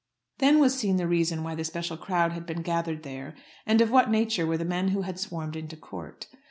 Then was seen the reason why the special crowd had been gathered there, and of what nature were the men who had swarmed into court.